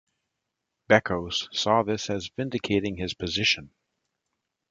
Bekkos saw this as vindicating his position.